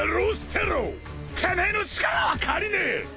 てめえの力は借りねえ！